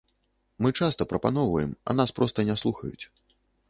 Мы часта прапаноўваем, а нас проста не слухаюць.